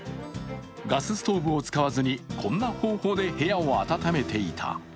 ガスストーブを使わずに、こんな方法で部屋を温めていた。